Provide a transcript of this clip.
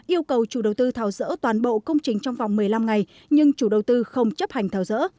yêu cầu chủ đầu tư tháo rỡ toàn bộ công trình trong vòng một mươi năm ngày nhưng chủ đầu tư không chấp hành tháo rỡ